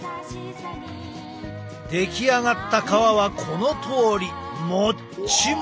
出来上がった皮はこのとおりもっちもち！